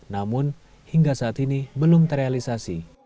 namun hingga saat ini belum terrealisasi